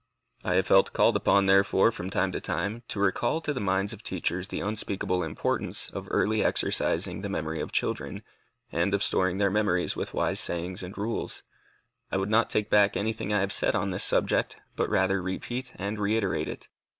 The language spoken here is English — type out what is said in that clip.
I have felt called upon, therefore, from time to time, to recall to the minds of teachers the unspeakable importance of early exercising the memory of children, and of storing their memories with wise sayings and rules. I would not take back anything I have said on this subject, but rather repeat and reiterate it.